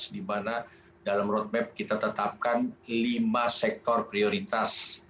di mana dalam roadmap kita tetapkan lima sektor prioritas